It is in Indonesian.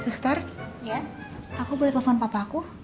suster aku boleh telepon papa aku